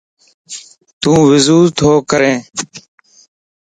يو وضو تو ڪري